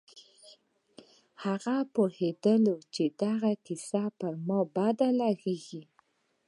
هغه پوهېدله چې دغه کيسې پر ما بدې لگېږي.